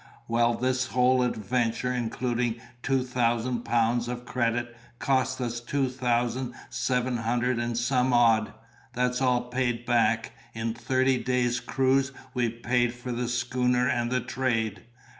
Well, this whole adventure, including two thousand pounds of credit, cost us two thousand seven hundred and some odd. That's all paid back; in thirty days' cruise we've paid for the schooner and the trade.